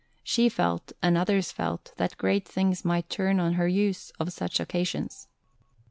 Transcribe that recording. She felt, and others felt, that great things might turn on her use of such occasions.